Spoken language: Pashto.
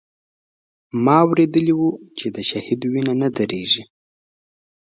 ما اورېدلي و چې د شهيد وينه نه درېږي.